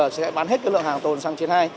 sẽ bán hết lượng hàng tồn xăng e năm